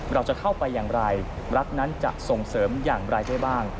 เราจะเข้าไปอย่างไรรัฐนั้นจะส่งเสริมอย่างไรได้บ้าง